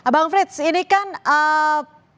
bang frits ini kan